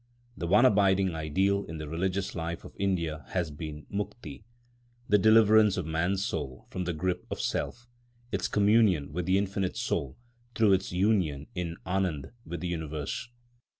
The one abiding ideal in the religious life of India has been Mukti, the deliverance of man's soul from the grip of self, its communion with the Infinite Soul through its union in ânanda with the universe.